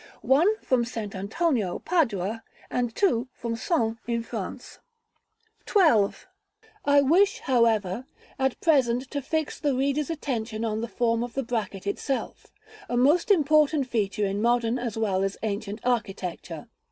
1, from St. Antonio, Padua; 2, from Sens in France. [Illustration: Fig. XXXIX.] § XII. I wish, however, at present to fix the reader's attention on the form of the bracket itself; a most important feature in modern as well as ancient architecture.